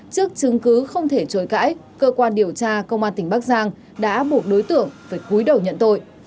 trước chứng cứ không thể chối cãi cơ quan điều tra công an tỉnh bắc giang đã buộc đối tượng phải cuối đầu nhận tội